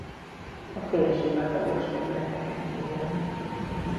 A félsivatagos területeken él.